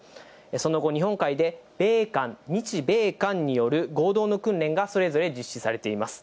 その後、日本海で米韓、日米韓による合同の訓練がそれぞれ実施されています。